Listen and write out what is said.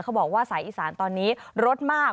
บอกว่าสายอีสานตอนนี้รสมาก